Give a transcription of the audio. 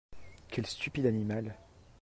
Quel stupide animal !